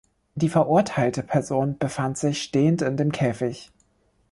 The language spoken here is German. Die verurteilte Person befand sich stehend in dem Käfig.